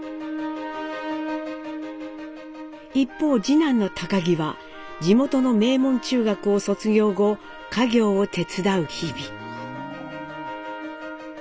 一方次男の儀は地元の名門中学を卒業後家業を手伝う日々。